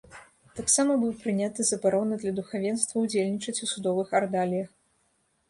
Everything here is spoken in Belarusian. Таксама быў прыняты забарона для духавенства ўдзельнічаць у судовых ардаліях.